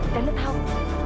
dan lo tau